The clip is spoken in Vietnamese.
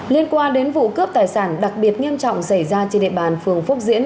liên quan đến vụ cướp tài sản đặc biệt nghiêm trọng xảy ra trên địa bàn phường phúc diễn